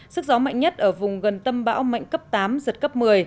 sức gió mạnh nhất ở vùng gần tâm bão mạnh cấp tám giật cấp một mươi